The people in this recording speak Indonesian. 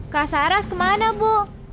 kak saras kemana bu